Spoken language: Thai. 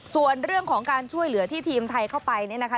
ส่วนเรื่องของการช่วยเหลือที่ทีมไทยเข้าไปเนี่ยนะคะ